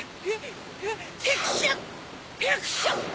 ヘクションヘクション！